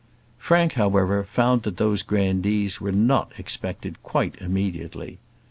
Frank, however, found that those grandees were not expected quite immediately.